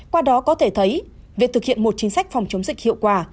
qua đó có thể thấy việc thực hiện một chính sách phòng chống dịch hiệu quả